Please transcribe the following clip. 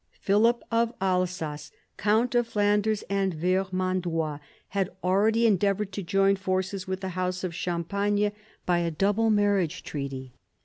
Philip of Alsace, countnof Flanders andVermandois, had already endeavoured to join forces with the house of Champagne by a double marriage treaty.